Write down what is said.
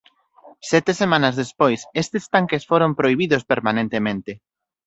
Sete semanas despois estes tanques foron prohibidos permanentemente.